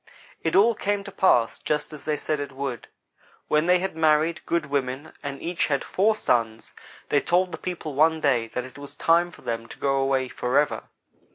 "It all came to pass, just as they said it would. When they had married good women and each had four sons, they told the people one day that it was time for them to go away forever.